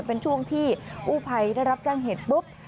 เป็นช่วงที่กู้ภัยได้รับแจ้งเหตุปุ๊บ